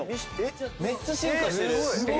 めっちゃ進化してる！